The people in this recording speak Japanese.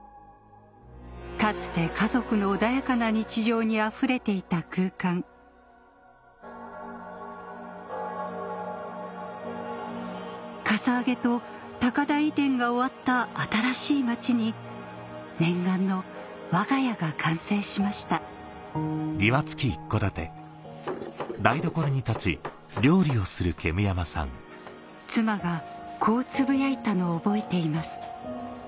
かつて家族の穏やかな日常にあふれていた空間かさ上げと高台移転が終わった新しい町に念願のわが家が完成しました妻がこうつぶやいたのを覚えています